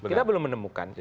kita belum menemukan